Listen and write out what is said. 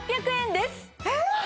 えっ！